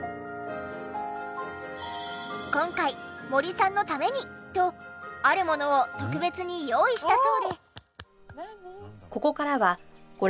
今回森さんのためにとあるものを特別に用意したそうで。